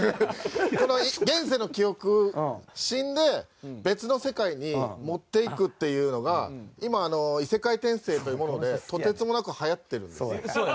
この現世の記憶死んで別の世界に持っていくっていうのが今異世界転生というものでとてつもなく流行ってるんですよ。